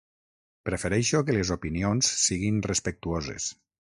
Prefereixo que les opinions siguin respectuoses.